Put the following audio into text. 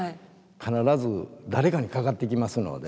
必ず誰かにかかってきますので。